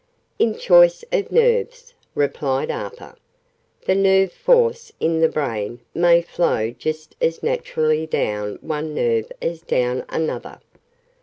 "In choice of nerves," replied Arthur. "The nerve force in the brain may flow just as naturally down one nerve as down another.